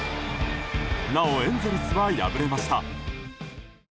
なおエンゼルスは敗れました。